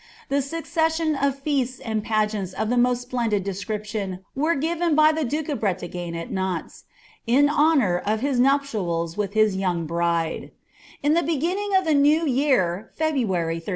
A succession of feasts and pagcmiia of the mnet aulawfJ description were given by the duke o( Bretagne at Naoles, ia boaatf of his nuptials with his young brides* In the beginning of the new year, February' 1387.